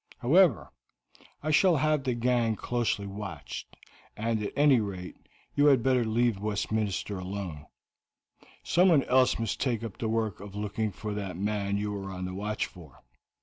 However, I shall have the gang closely watched, and, at any rate, you had better leave Westminster alone; someone else must take up the work of looking for that man you were on the watch for.